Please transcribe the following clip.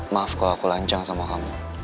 maaf kalau aku lancang sama kamu